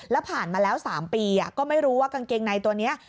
แล้วผ่านมาแล้ว๓ปีก็ไม่รู้ว่ากางเกงในตัวนี้